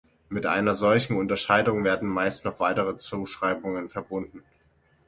Mit einer solchen Unterscheidung werden meist noch weitere Zuschreibungen verbunden.